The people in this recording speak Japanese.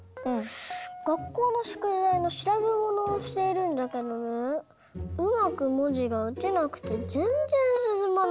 がっこうのしゅくだいのしらべものをしているんだけどねうまくもじがうてなくてぜんぜんすすまないんだよ。